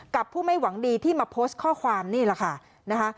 ผู้ไม่หวังดีที่มาโพสต์ข้อความนี่แหละค่ะนะคะ